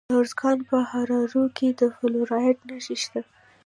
د ارزګان په دهراوود کې د فلورایټ نښې شته.